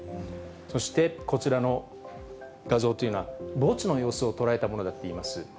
そしてこちらの画像というのは、墓地の様子を捉えたものだといいます。